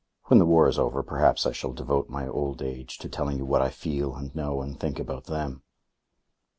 When the war is over perhaps I shall devote my old age to telling you what I feel and know and think about them....